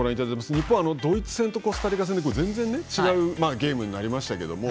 日本、ドイツ戦とコスタリカ戦で全然違うゲームになりましたけれども。